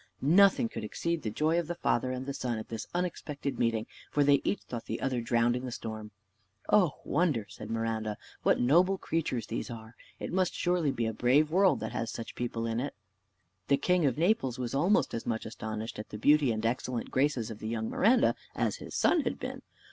Nothing could exceed the joy of the father and the son at this unexpected meeting, for they each thought the other drowned in the storm. "O wonder!" said Miranda, "what noble creatures these are! It must surely be a brave world that has such people in it." The king of Naples was almost as much astonished at the beauty and excellent graces of the young Miranda, as his son had been.